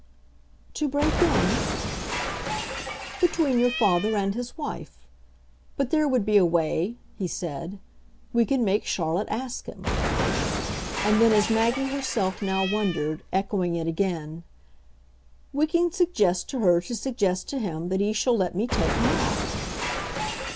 "'To break in' ?" "Between your father and his wife. But there would be a way," he said "we can make Charlotte ask him." And then as Maggie herself now wondered, echoing it again: "We can suggest to her to suggest to him that he shall let me take him off."